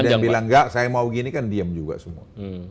presiden bilang nggak saya mau gini kan diam juga semua